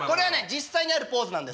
実際にあるポーズなんですよ。